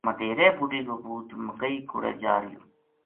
مدیہرے بُڈھی کو پوت مکئی کوڑے جا رہیو